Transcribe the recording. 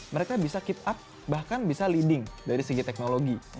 mereka bisa keep up bahkan bisa leading dari segi teknologi